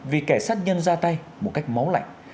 vì kẻ sát nhân ra tay một cách máu lạnh